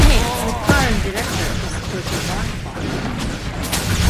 The current director is Scotty Barnhart.